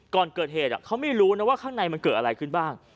ก่อนเกิดเหตุเขาไม่รู้นะว่าข้างในมันเกิดอะไรขึ้นบ้าง